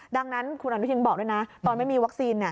ดังนั้นคุณอนุทินบอกด้วยนะตอนไม่มีวัคซีน